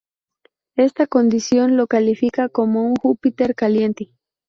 Esta condición lo califica como un Júpiter caliente.